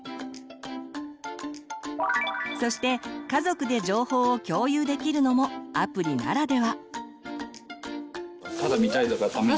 そして家族で情報を共有できるのもアプリならでは。